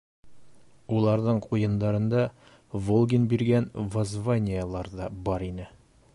Уларҙың ҡуйындарында Волгин биргән воззваниелар ҙа бар ине.